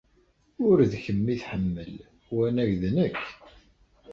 Ur d kemm ay tḥemmel, wanag d nekk.